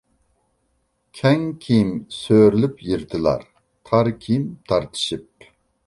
كەڭ كىيىم سۆرىلىپ يىرتىلار، تار كىيىم تارتىشىپ.